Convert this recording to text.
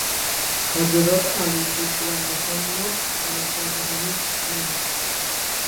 হযরত Ali পুত্র Muhammad Hanifa কাহিনীর নায়ক।